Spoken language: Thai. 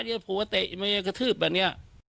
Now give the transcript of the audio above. พูดว่าเตะมันก็ถืบแบบนี้